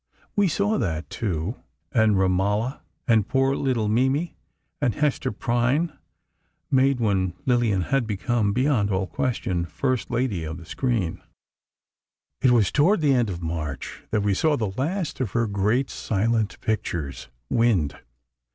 We saw that, too, and "Romola," and poor little Mimi, and Hester Prynne, made when Lillian had become, beyond all question, "First Lady of the Screen." It was toward the end of March that we saw the last of her great silent pictures, "Wind."